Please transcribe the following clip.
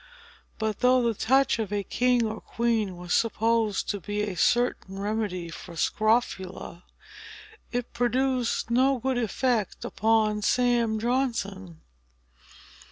But though the touch of a king or Queen was supposed to be a certain remedy for scrofula, it produced no good effect upon Sam Johnson.